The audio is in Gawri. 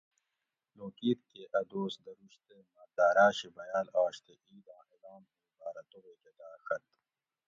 لوک عید کے اۤ دوس درُوش تے مہۤ داۤراۤ شی بیاۤل آش تے عیداں اعلان ہُو باۤرہ توبیکہ داۤڛت